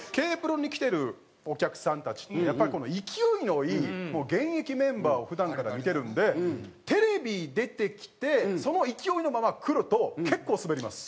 Ｋ−ＰＲＯに来てるお客さんたちってやっぱり勢いのいい現役メンバーを普段から見てるんでテレビ出てきてその勢いのまま来ると結構スベります。